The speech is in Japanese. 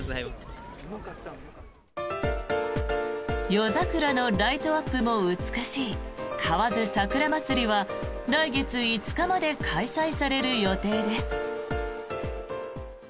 夜桜のライトアップも美しい河津桜まつりは来月５日まで開催される予定です。